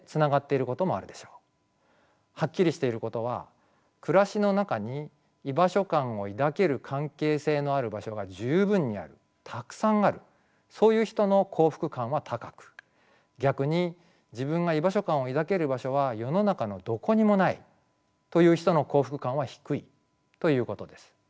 はっきりしていることは暮らしの中に居場所感を抱ける関係性のある場所が十分にあるたくさんあるそういう人の幸福感は高く逆に自分が居場所感を抱ける場所は世の中のどこにもないという人の幸福感は低いということです。